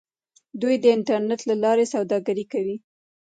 دوی د انټرنیټ له لارې سوداګري کوي.